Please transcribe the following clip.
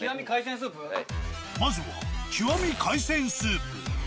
まずは極み海鮮スープ。